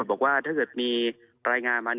รอการยืนยัง